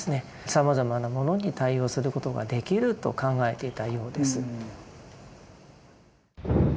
さまざまなものに対応することができると考えていたようです。